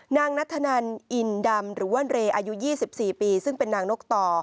นางนัทธนันอินดำหรือว่าเรย์อายุ๒๔ปีซึ่งเป็นนางนกต่อ